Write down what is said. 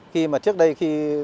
khi mà trước đây khi